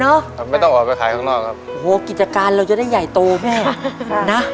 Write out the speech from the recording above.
ทำไมต้องออกไปขายข้างนอกครับโอ้โหกิจการเราจะได้ใหญ่โตแม่ค่ะนะ